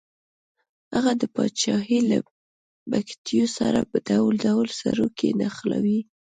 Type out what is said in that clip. هغه د پاچاهۍ له بګتیو سره ډول ډول سروکي نښلوي.